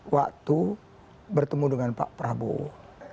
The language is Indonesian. waktu bertemu dengan pak prabowo